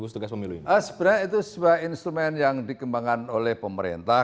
sebenarnya itu sebuah instrumen yang dikembangkan oleh pemerintah